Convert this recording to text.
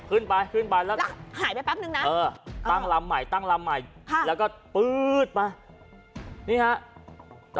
หายไปแป๊บนึงนะเออตั้งลำใหม่ตั้งลำใหม่แล้วก็ปื๊ดมานี่ฮะ